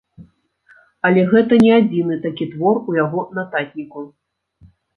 Але гэта не адзіны такі твор у яго нататніку.